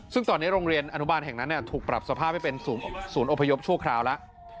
ซึ่งตอนนี้โรงเรียนอนุบาลแห่งนั้นถูกปรับสภาพให้เป็นศูนย์อพยพชั่วคราวแล้ว